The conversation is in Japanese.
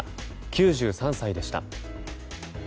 ９３歳でした。